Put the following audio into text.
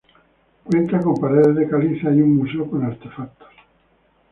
Cuenta con paredes de caliza y un museo con artefactos.